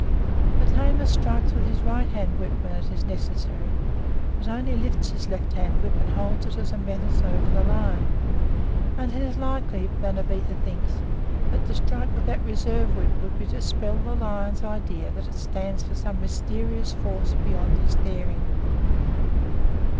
The tamer strikes with his right hand whip when it is necessary, but only lifts his left hand whip and holds it as a menace over the lion. And it is likely, Bonavita thinks, that to strike with that reserve whip would be to dispel the lion's idea that it stands for some mysterious force beyond his daring.